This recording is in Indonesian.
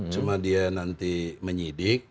cuma dia nanti menyidik